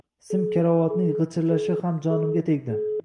Sim karavotning g`ichirlashi ham jonimga tegdi